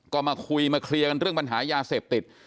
ก็มาคุยมาเคลียร์กันเรื่องปัญหายาเสพติด